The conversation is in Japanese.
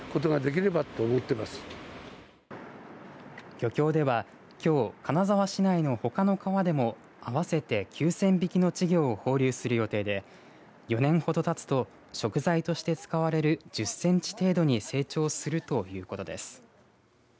漁協では、きょう金沢市内のほかの川でも合わせて９０００匹の稚魚を放流する予定で４年ほどたつと食材として使われる１０センチ程度に成長するということです。